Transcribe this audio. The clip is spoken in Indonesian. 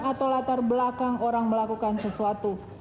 atau latar belakang orang melakukan sesuatu